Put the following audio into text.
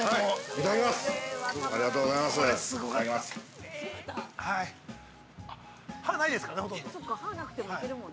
いただきます。